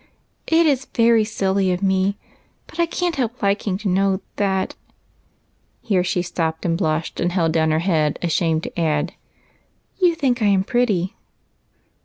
" It is very silly of me, but I can't help liking to know that "— here she stopped and blushed and held down her head, ashamed to add, "you think I am pretty."